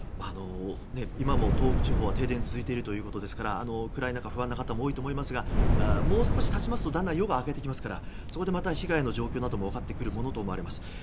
今も、東北地方は停電が続いているということですから暗い中、不安な方も多いと思いますがもう少し経ちますとだんだん夜が明けてきますからそこで被害の状況なども分かってくるものだと思います。